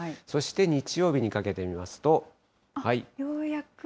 そして日曜日にかけて見ますと。